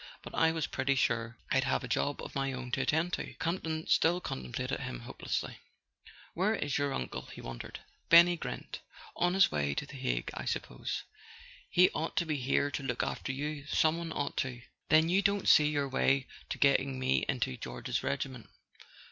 But I was pretty sure I'd have a job of my own to attend to." Campton still contemplated him hopelessly. "Where is your uncle ?" he wondered. Benny grinned. "On his way to the Hague, I sup¬ pose." "He ought to be here to look after you—some one ought to! " A SON AT THE FRONT "Then you don't see your way to getting me into George's regiment?"